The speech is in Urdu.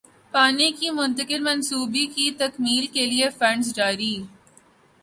پانی کے مختلف منصوبوں کی تکمیل کیلئے فنڈز جاری